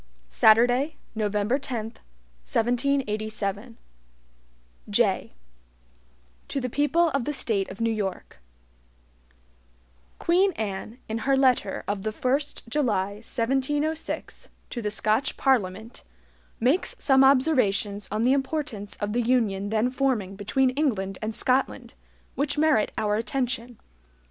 Saturday, November 10, 1787 JAY To the People of the State of New York: QUEEN ANNE, in her letter of the 1st July, 1706, to the Scotch Parliament, makes some observations on the importance of the UNION then forming between England and Scotland, which merit our attention.